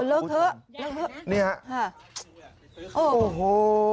โอ้โหเลิกเถอะนี่ฮะโอ้โห